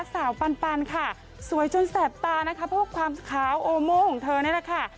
สาวปันปันค่ะสวยจนแสบตานะคะพวกความขาวโอโม่ของเธอนี่แหละค่ะ